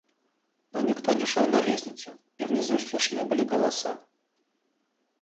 Но никто не шел на лестницу, и внизу слышны были голоса.